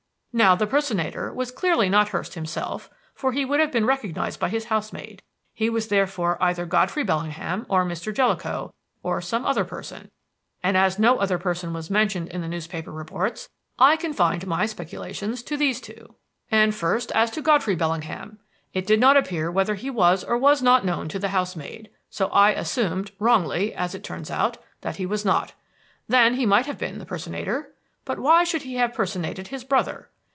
"Now, the personator was clearly not Hurst himself, for he would have been recognized by his housemaid; he was therefore either Godfrey Bellingham or Mr. Jellicoe or some other person; and as no other person was mentioned in the newspaper reports I confined my speculations to these two. "And, first, as to Godfrey Bellingham. It did not appear whether he was or was not known to the housemaid, so I assumed wrongly, as it turns out that he was not. Then he might have been the personator. But why should he have personated his brother?